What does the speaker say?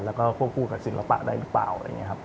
แล้วก็ควบคู่กับศิลปะได้หรือเปล่าอะไรอย่างนี้ครับ